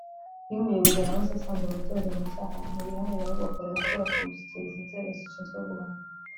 “Iyo umuyobozi aramutse asanze umuturage mu cyaha ntiyihanira ahubwo akora raporo akamushyikiriza inzego zishinzwe guhana